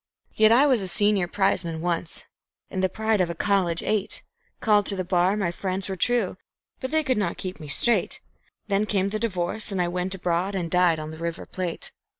Yet I was a senior prizeman once, and the pride of a college eight; Called to the bar my friends were true! but they could not keep me straight; Then came the divorce, and I went abroad and "died" on the River Plate.